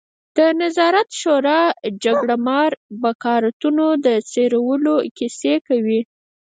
د نظار شورا جګړهمار بکارتونو د څېرلو کیسې کوي.